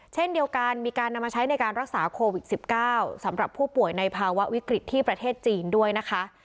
เช่นเดียวกันมีการนำมาใช้ในการรักษาโควิด๑๙สำหรับผู้ป่วยในภาวะวิกฤตที่ประเทศจีนด้วยนะคะ